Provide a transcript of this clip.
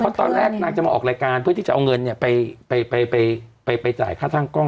เพราะตอนแรกนางจะมาออกรายการเพื่อที่จะเอาเงินไปจ่ายค่าทางกล้อง